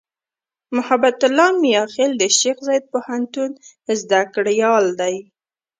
محبت الله "میاخېل" د شیخزاید پوهنتون زدهکړیال دی.